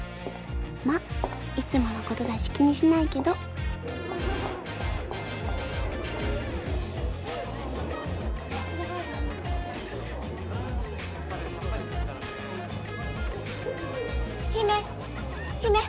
まっいつものことだし気にしないけど陽芽陽芽